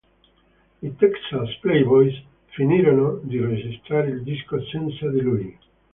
I Texas Playboys finirono di registrare il disco senza di lui.